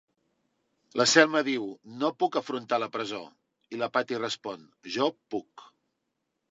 La Selma diu "No puc afrontar la presó", i la Patty respon "Jo puc".